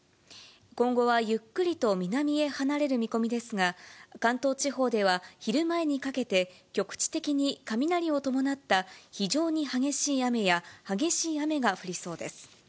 今後はゆっくりと南へ離れる見込みですが、関東地方では昼前にかけて、局地的に雷を伴った非常に激しい雨や、激しい雨が降りそうです。